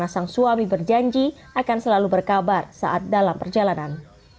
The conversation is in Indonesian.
sang suami berjanji akan selalu berkabar saat dalam perjalanan